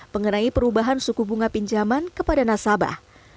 mengenai perubahan suku bunga pinjaman kepada nasabah